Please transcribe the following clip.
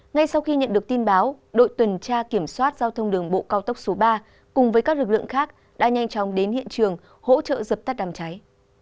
ngay sau khi nhận được tin báo đội tuần tra kiểm soát giao thông đường bộ cao tốc số ba cùng với các lực lượng khác đã nhanh chóng đến hiện trường hỗ trợ dập tắt đám cháy